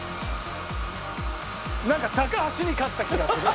なんか高橋に勝った気がする。